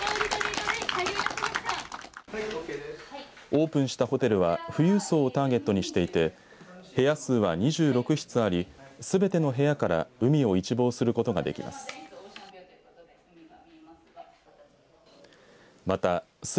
オープンしたホテルは富裕層をターゲットにしていて部屋数は２６室ありすべての部屋から海を一望することができます。